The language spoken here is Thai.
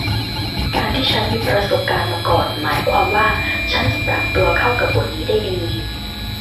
การที่ฉันมีประสบการณ์มาก่อนหมายความว่าฉันจะปรับตัวเข้ากับบทนี้ได้ดี